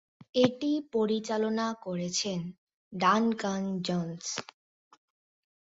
এটি পরিচালনা করেছেন ডানকান জোন্স।